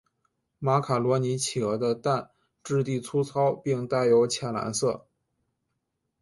马卡罗尼企鹅的蛋质地粗糙并带有浅蓝色。